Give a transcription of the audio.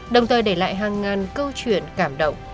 đồng thời để lại hàng ngàn câu chuyện cảm động